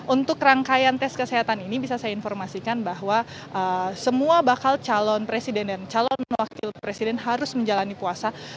untuk rangkaian tes kesehatan ini bisa saya informasikan bahwa semua bakal calon presiden dan calon wakil presiden harus menjalani puasa